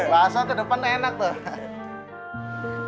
masa ke depan enak tuh